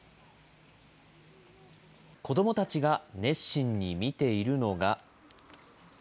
子どもたちが熱心に見ているのが。